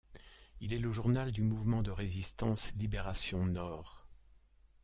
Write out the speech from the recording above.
Il est le journal du mouvement de Résistance Libération-Nord.